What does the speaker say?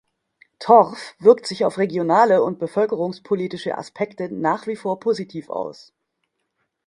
Torf wirkt sich auf regionale und bevölkerungspolitische Aspekte nach wie vor positiv aus.